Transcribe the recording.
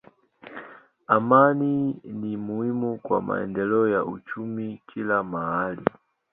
Amani ni muhimu kwa maendeleo ya uchumi kila mahali.